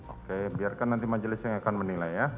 oke biarkan nanti majelis yang akan menilai ya